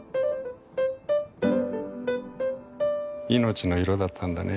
「いのちの色」だったんだね。